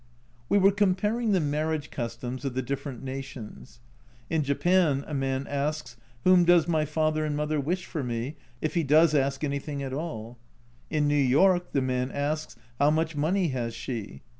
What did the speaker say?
We were comparing the marriage customs of the different nations. In Japan a man asks, " Whom does my father and mother wish for me," if he does ask anything at all. In New York the man asks, " How much money has she?"